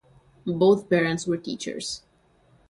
Both parents were teachers.